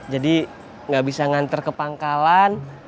jadi gak bisa nganter ke pangkalan